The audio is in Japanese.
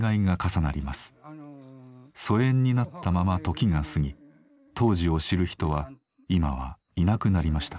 疎遠になったまま時が過ぎ当時を知る人は今はいなくなりました。